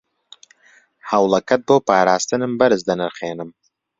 هەوڵەکەت بۆ پاراستنم بەرز دەنرخێنم.